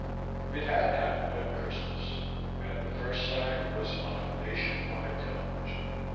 It had happened at Christmas, and the first sign was on nation wide television.